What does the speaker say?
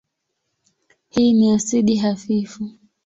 Hii ni asidi hafifu.